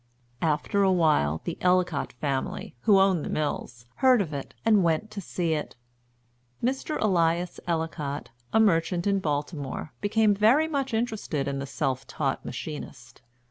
After a while, the Ellicott family, who owned the Mills, heard of it, and went to see it. Mr. Elias Ellicott, a merchant in Baltimore, became very much interested in the self taught machinist.